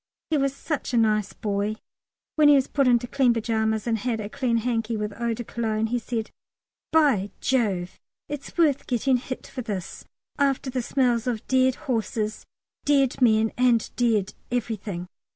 He was such a nice boy. When he was put into clean pyjamas, and had a clean hanky with eau de Cologne, he said, "By Jove, it's worth getting hit for this, after the smells of dead horses, dead men, and dead everything."